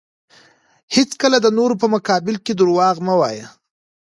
هیڅکله د نورو په مقابل کې دروغ مه وایه.